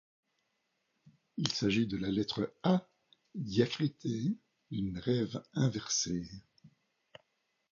Il s’agit de la lettre A diacritée d’une brève inversée.